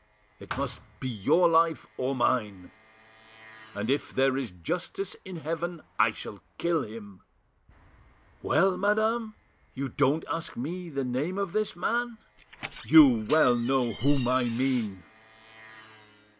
It must be your life, or mine!' And if, there is justice in heaven, I shall kill him! Well, madame, you don't ask me the name of this man! You well know whom I mean!"